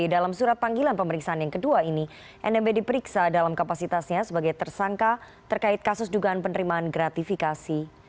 dalam surat panggilan pemeriksaan yang kedua ini nmb diperiksa dalam kapasitasnya sebagai tersangka terkait kasus dugaan penerimaan gratifikasi